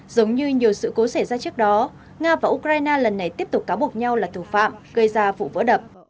giống như nhiều sự cố xảy ra trước đó nga và ukraine lần này tiếp tục cáo buộc nhau là thủ phạm gây ra vụ vỡ đập